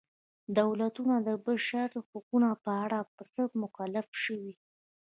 دولتونه د بشري حقونو په اړه په څه مکلف شوي.